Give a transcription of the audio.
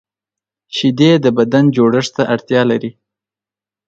شیدې د بدن جوړښت ته اړتیا لري